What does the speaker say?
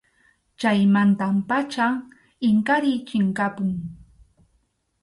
Chaymanta pacham Inkariy chinkapun.